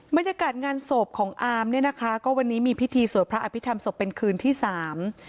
บรรยากาศงานศพของอามเนี่ยนะคะก็วันนี้มีพิธีสวดพระอภิษฐรรมศพเป็นคืนที่สาม